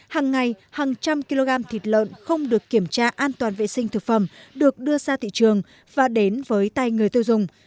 hàng ngày hàng trăm kg thịt lợn không được kiểm tra an toàn vệ sinh thực phẩm được đưa ra thị trường và đến với tay người tiêu dùng